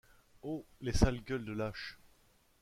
Oh! les sales gueules de lâches !...